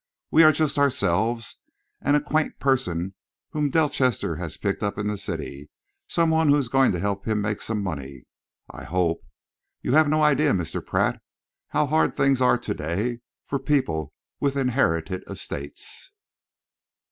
"We are just ourselves, and a quaint person whom Delchester has picked up in the city, some one who is going to help him make some money, I hope. You have no idea, Mr. Pratt, how hard things are to day for people with inherited estates."